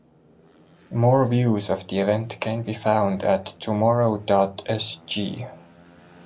More views of the event can be found at Tomorrow dot sg.